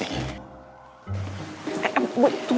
eh apa itu